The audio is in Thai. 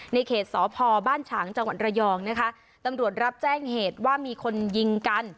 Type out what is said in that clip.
ในเขตสพบ้านฉางจังหวัดระยองนะคะตำรวจรับแจ้งเหตุว่ามีคนยิงกัน